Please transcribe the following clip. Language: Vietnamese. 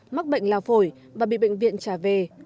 mắc bệnh lao phổi và bị bệnh viện trả về